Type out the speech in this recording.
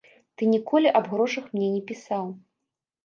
Ты ніколі аб грошах мне не пісаў.